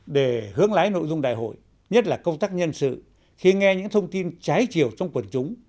để hướng lái nội dung đại hội nhất là công tác nhân sự khi nghe những thông tin trái chiều trong quần chúng